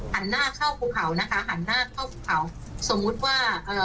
หันหน้าเข้าภูเขานะคะหันหน้าเข้าภูเขาสมมุติว่าเอ่อ